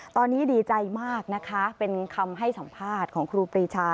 ตอนนี้ดีใจมากนะคะเป็นคำให้สัมภาษณ์ของครูปรีชา